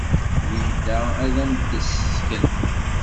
Linda ad am-d-tessken.